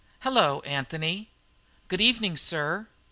"Hello, Anthony." "Good evening, sir."